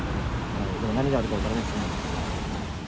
何があるか分からないですね。